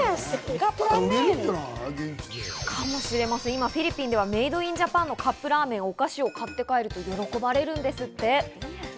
今、フィリピンではメイドインジャパンのカップラーメンや、お菓子を買って帰ると喜ばれるんですって。